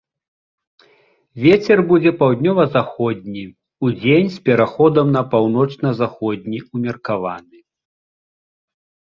Вецер будзе паўднёва-заходні, удзень з пераходам на паўночна-заходні ўмеркаваны.